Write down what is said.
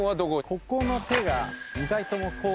ここの手が２回ともこう。